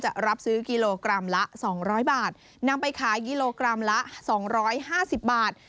จะรับซื้อกิโลกรัมละสองร้อยบาทนำไปขายกิโลกรัมละสองร้อยห้าสิบบาท